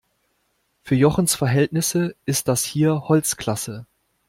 Für Jochens Verhältnisse ist das hier Holzklasse.